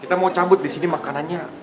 kita mau cabut disini makanannya